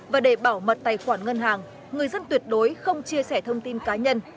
và để bảo mật tài khoản ngân hàng người dân tuyệt đối không chia sẻ thông tin cá nhân